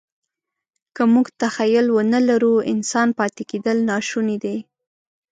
که موږ تخیل ونهلرو، انسان پاتې کېدل ناشوني دي.